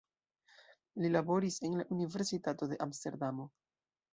Li laboris en la universitato de Amsterdamo.